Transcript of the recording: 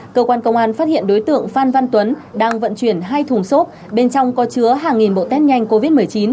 cơ quan công an phát hiện đối tượng phan văn tuấn đang vận chuyển hai thùng xốp bên trong có chứa hàng nghìn bộ test nhanh covid một mươi chín